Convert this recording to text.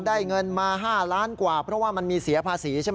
ได้เงินมา๕ล้านกว่าเพราะว่ามันมีเสียภาษีใช่ไหม